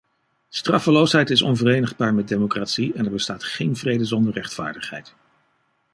Straffeloosheid is onverenigbaar met democratie, en er bestaat geen vrede zonder rechtvaardigheid.